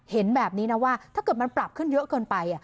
เห็นแบบนี้นะว่าถ้าเกิดมันปรับขึ้นเยอะเกินไป